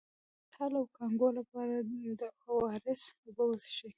د اسهال او کانګو لپاره د او ار اس اوبه وڅښئ